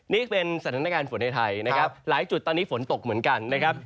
นี่เป็นสถานการณ์ฝนในไทยนะครับหลายจุดตอนนี้ฝนตกเหมือนกันนะครับ